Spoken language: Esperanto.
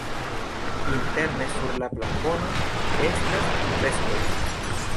Interne sur la plafono estas freskoj.